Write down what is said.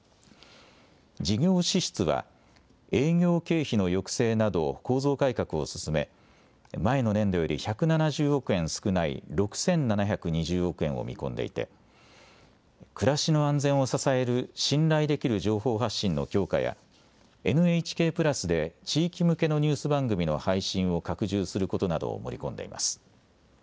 事業支出は営業経費の抑制など構造改革を進め、前の年度より１７０億円少ない６７２０億円を見込んでいて暮らしの安全を支える信頼できる情報発信の強化やＮＨＫプラスで地域向けのニュース番組の配信を拡充することなどを盛り込んでいます。